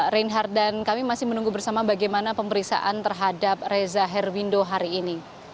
reinhard dan kami masih menunggu bersama bagaimana pemeriksaan terhadap reza herwindo hari ini